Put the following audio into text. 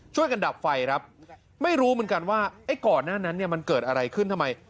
ดับไฟครับไม่รู้เหมือนกันว่าไอ้ก่อนหน้านั้นเนี่ยมันเกิดอะไรขึ้นทำไม